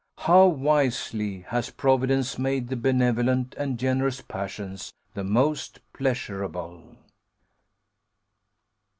How wisely has Providence made the benevolent and generous passions the most pleasurable!